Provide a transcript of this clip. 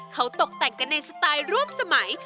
เขาตกแต่งกันในสไตล์ร่วมสมัย